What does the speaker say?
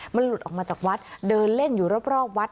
มันหลุดออกมาจากวัดเดินเล่นอยู่รอบวัด